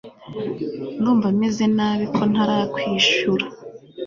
Ndumva meze nabi ko ntarakwishura